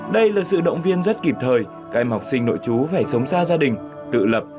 đây là sự động viên rất kịp thời các em học sinh nội chú phải sống xa gia đình tự lập